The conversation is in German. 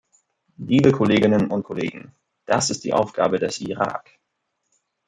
Liebe Kolleginnen und Kollegen, das ist die Aufgabe des Irak.